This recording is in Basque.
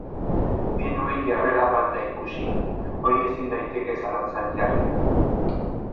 Ez nuen jarrera falta ikusi, hori ezin daiteke zalantzan jarri.